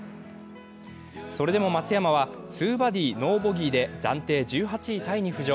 それでも松山は２バーディー・ノーボギーで暫定１８位タイに浮上。